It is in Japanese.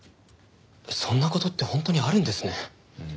そんな事って本当にあるんですね。